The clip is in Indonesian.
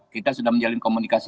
kita sudah menjalin komunikasi